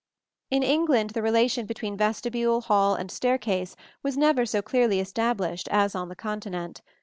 In England the relation between vestibule, hall and staircase was never so clearly established as on the Continent.